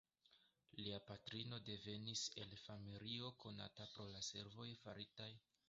Lia patrino devenis el familio konata pro la servoj faritaj por la Sankta Sidejo.